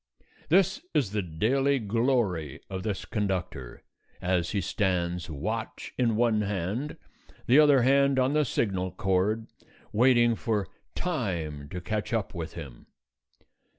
This is the daily glory of this conductor, as he stands, watch in one hand, the other hand on the signal cord, waiting for Time to catch up with him.